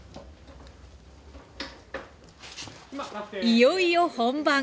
いよいよ本番！